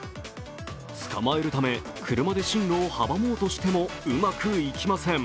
捕まえるため車で進路を阻もうとしてもうまくいきません。